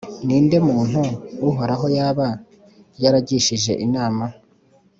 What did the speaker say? Ni nde muntu Uhoraho yaba yaragishije inama,